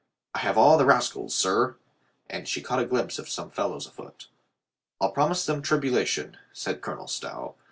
"I have all the rascals, sir," and she caught a glimpse of some fellows afoot. "I'll promise them tribulation," said Colonel Stow.